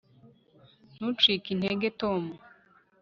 ntucike intege, tom